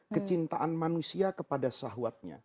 kecintaan manusia kepada sahwatnya